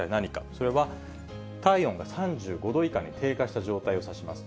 それは体温が３５度以下に低下した状態をさします。